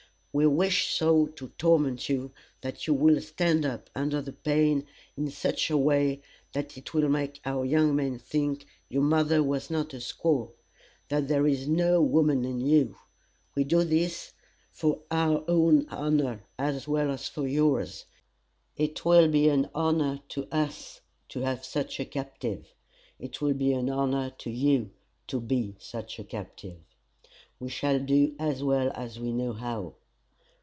We wish so to torment you that you will stand up under the pain in such a way that it will make our young men think your mother was not a squaw that there is no woman in you. We do this for our own honor, as well as for yours. It will be an honor to us to have such a captive; it will be an honor to you to be such a captive. We shall do as well as we know how.